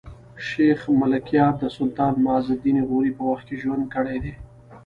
شېخ ملکیار د سلطان معز الدین غوري په وخت کښي ژوند کړی دﺉ.